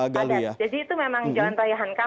padat jadi itu memang jalan raya hankam